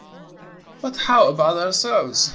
"But how about ourselves?"